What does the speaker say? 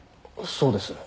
そうです。